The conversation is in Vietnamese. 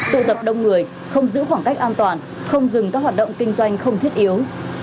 tụ tập đông người không giữ khoảng cách an toàn không dừng các hoạt động kinh doanh không thiết yếu